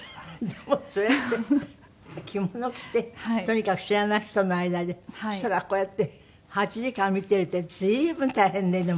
でもそれって着物を着てとにかく知らない人の間で空こうやって８時間見ているって随分大変ねでも。